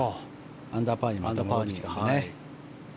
アンダーパーにまた戻ってきたんでね。